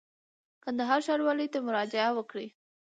کندهار ښاروالۍ ته دي مراجعه وکړي.